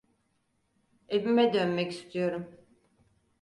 Evime dönmek istiyorum.